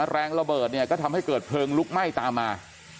แรงระเบิดเนี่ยก็ทำให้เกิดเพลิงลุกไหม้ตามมา